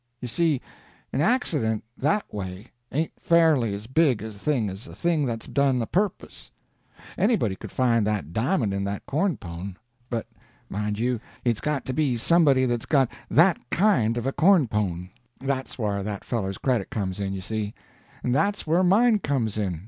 You see, an accident, that way, ain't fairly as big a thing as a thing that's done a purpose. Anybody could find that di'mond in that corn pone; but mind you, it's got to be somebody that's got that kind of a corn pone. That's where that feller's credit comes in, you see; and that's where mine comes in.